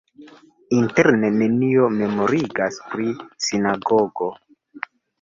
Interne nenio memorigas pri sinagogo.